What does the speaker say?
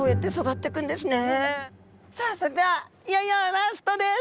さあそれではいよいよラストです。